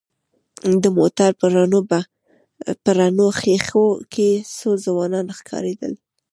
د موټر په رڼو ښېښو کې څو ځوانان ښکارېدل.